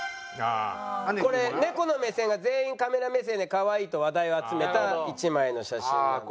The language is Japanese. これ猫の目線が全員カメラ目線でかわいいと話題を集めた一枚の写真なんですけど。